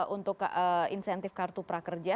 untuk insentif kartu prakerja